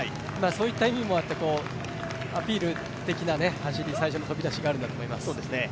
そういった意味もあってアピール的な走り、最初の飛び出しがあるんだと思います。